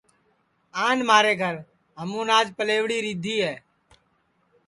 آن مھارے گھر ہمُون آج پلیوڑی ریدھی ہے